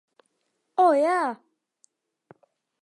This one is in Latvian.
O, jā!